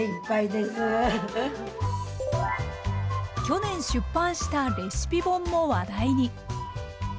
去年出版したレシピ本も話題に。